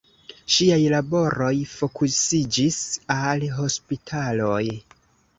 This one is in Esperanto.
Ŝiaj laboroj fokusiĝis al hospitaloj.